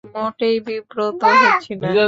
মোটেই বিব্রত হচ্ছি না।